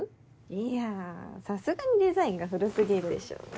いやぁさすがにデザインが古すぎるでしょ。